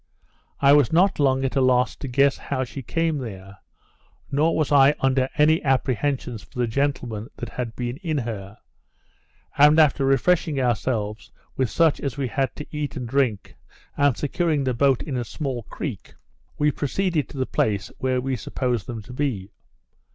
I was not long at a loss to guess how she came there, nor was I under any apprehensions for the gentlemen that had been in her; and after refreshing ourselves with such as we had to eat and drink, and securing the boat in a small creek, we proceeded to the place where we supposed them to be.